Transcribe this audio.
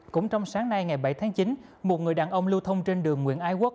cũng trong sáng nay ngày bảy tháng chín một người đàn ông lưu thông trên đường nguyễn ái quốc